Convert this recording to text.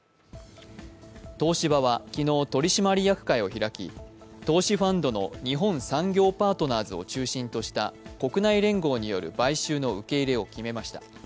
東芝は昨日、取締役会を開き投資ファンドの日本産業パートナーズを中心とした国内連合による買収の受け入れを決めました。